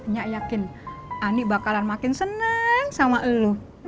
nya yakin ani bakalan makin seneng sama elu